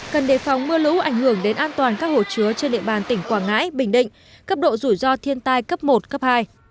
cần đề phòng mưa lũ ảnh hưởng đến an toàn các hồ chứa trên địa bàn tỉnh quảng ngãi bình định cấp độ rủi ro thiên tai cấp một cấp hai